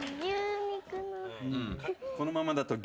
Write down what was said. このままだと。